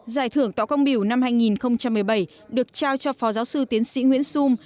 giải thưởng tọa công biểu năm hai nghìn một mươi bảy được trao cho phó giáo sư tiến sĩ nguyễn sum